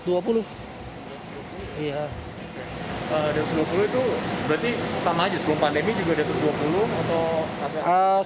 dua ribu dua puluh itu berarti sama aja sebelum pandemi juga di atas dua puluh atau